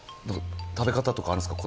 食べ方とかあるんですか？